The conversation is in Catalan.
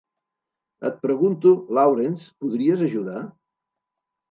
Et pregunto, Lawrence, podries ajudar?